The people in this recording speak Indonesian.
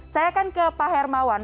saya akan ke pak hermawan